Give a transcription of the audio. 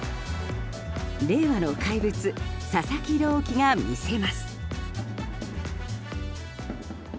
令和の怪物佐々木朗希が魅せます。